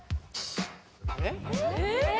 えっ？